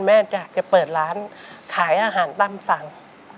แม่จะเปิดร้านขายอาหารตามสั่ง